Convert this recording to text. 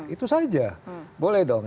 itu saja boleh dong